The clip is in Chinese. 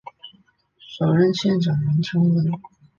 首任县长王成文。